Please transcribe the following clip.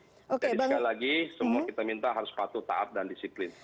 sekali lagi semua kita minta harus patuh taat dan disiplin